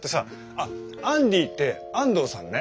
あっアンディって安藤さんね。